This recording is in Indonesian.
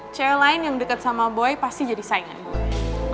cewek lain yang deket sama boy pasti jadi saingan gue